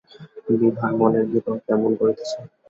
বিভার মনের ভিতরে কেমন করিতেছে।